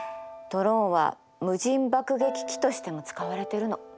ドローンは無人爆撃機としても使われてるの。